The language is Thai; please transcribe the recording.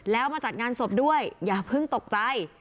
แล้วมาจัดงานศพด้วยอย่าเพิ่งตกใจ